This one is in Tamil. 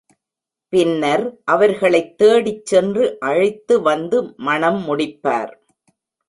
பின்னர் அவர்களைத் தேடிச் சென்று அழைத்து வந்து மணம் முடிப்பார்.